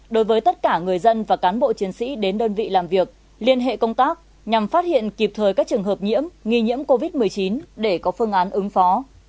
đối với tất cả người dân và cán bộ chiến sĩ đến đơn vị làm việc liên hệ công tác nhằm phát hiện kịp thời các trường hợp nhiễm nghi nhiễm covid một mươi chín để có phương án ứng phó